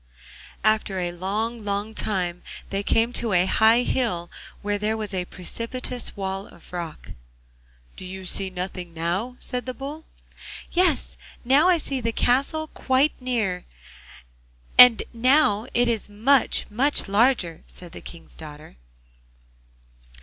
After a long, long time they came to a high hill, where there was a precipitous wall of rock. 'Do you see nothing now?' said the Bull. 'Yes, now I see the castle quite near, and now it is much, much larger,' said the King's daughter.